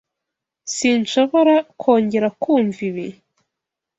Sinshobora kongera kumva ibi.